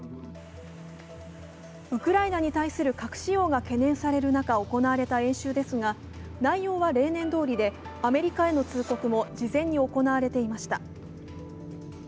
ウクライナに対する核使用が懸念される中、内容は例年どおりで、アメリカへの通告も事前に行われていました。